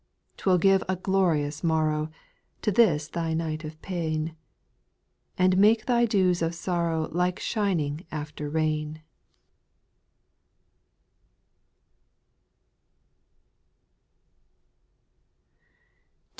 'T will give a glorious morrow To this thy night of pain. And make thy dews of sorrow Like shining after rain.